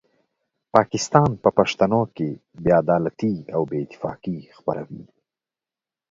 پاکستان په پښتنو کې بې عدالتي او بې اتفاقي خپروي.